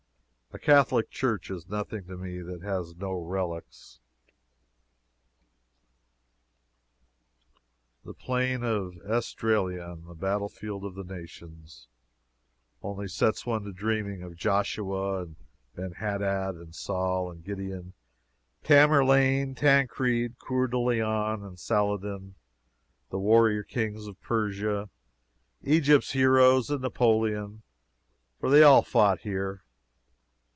A Catholic church is nothing to me that has no relics. The plain of Esdraelon "the battle field of the nations" only sets one to dreaming of Joshua, and Benhadad, and Saul, and Gideon; Tamerlane, Tancred, Coeur de Lion, and Saladin; the warrior Kings of Persia, Egypt's heroes, and Napoleon for they all fought here.